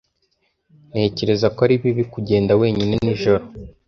Ntekereza ko ari bibi kugenda wenyine nijoro.